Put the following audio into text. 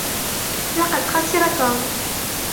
لقد خَسِرَ توم.